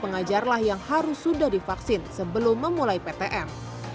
pengajarlah yang harus sudah divaksin sebelum memulai ptm